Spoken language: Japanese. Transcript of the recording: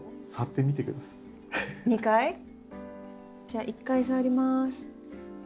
じゃあ１回触ります。